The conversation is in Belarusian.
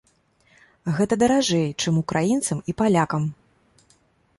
Гэта даражэй, чым украінцам і палякам.